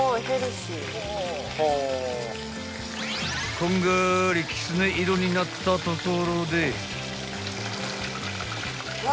［こんがりきつね色になったところで］